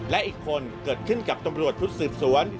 และอีกคนเกิดขึ้นกับตำรวจชุดสืบสวน